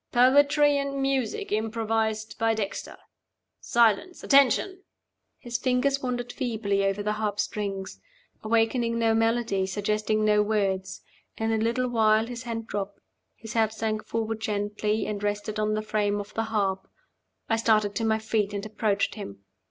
"Poetry and music improvised by Dexter. Silence! Attention!" His fingers wandered feebly over the harpstrings, awakening no melody, suggesting no words. In a little while his hand dropped; his head sank forward gently, and rested on the frame of the harp. I started to my feet, and approached him.